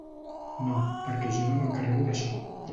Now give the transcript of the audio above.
No, perquè jo no m'encarrego d'això.